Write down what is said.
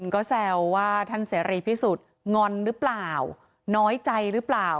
ก็แซวว่าท่านเสรีพิสุทธิ์งอนหรือเปล่าน้อยใจหรือเปล่า